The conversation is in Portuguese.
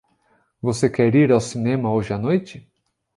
Você quer ir ao cinema hoje à noite?